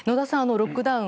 ロックダウン